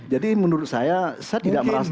jadi menurut saya saya tidak merasa